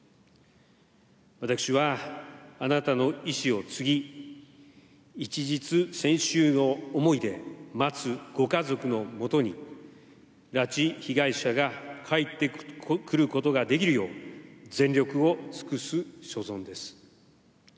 私はあなたの遺志を継ぎ、一日千秋の思いで待つご家族のもとに、拉致被害者が帰ってくることができるよう、全力を尽くす所存です。